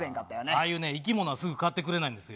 ああいうね、生き物はすぐ買ってくれないんですよ。